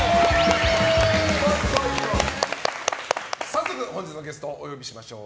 早速、本日のゲストをお呼びしましょう。